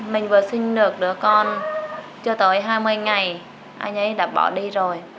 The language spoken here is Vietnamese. mình vừa sinh được đứa con chưa tới hai mươi ngày anh ấy đã bỏ đi rồi